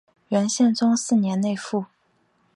元宪宗四年内附。